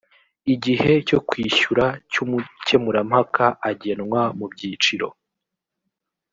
igihe cyo kwishyura cy’umukemurampaka agenwa mu byiciro